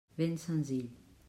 Ben senzill.